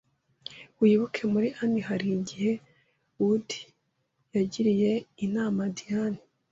Wibuke muri Ani Hali igihe Wudi yagiriye inama Diyane